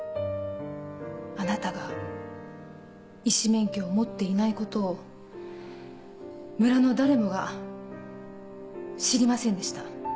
あなたが医師免許を持っていないことを村の誰もが知りませんでした。